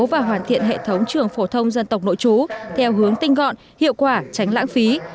và hoàn thiện hệ thống trường phổ thông dân tộc nội chú theo hướng tinh gọn hiệu quả tránh lãng phí